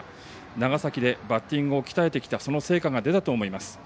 長崎でバッティングを鍛えてきたその成果が出たと思います。